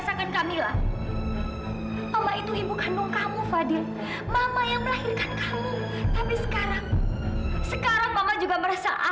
sampai jumpa di video selanjutnya